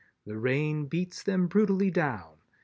The rain beats them brutally down.